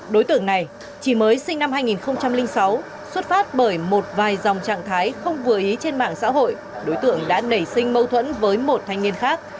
đối tượng này chỉ mới sinh năm hai nghìn sáu xuất phát bởi một vài dòng trạng thái không vừa ý trên mạng xã hội đối tượng đã nảy sinh mâu thuẫn với một thanh niên khác